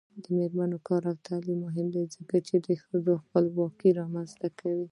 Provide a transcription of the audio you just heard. د میرمنو کار او تعلیم مهم دی ځکه چې ښځو خپلواکي رامنځته کوي.